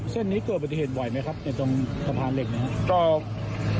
เส้นนี้เกิดปฏิเหตุบ่อยไหมครับในตรงสะพานเหล็กไหมครับ